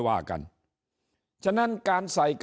ถ้าท่านผู้ชมติดตามข่าวสาร